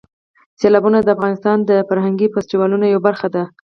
سیلابونه د افغانستان د فرهنګي فستیوالونو یوه برخه ده.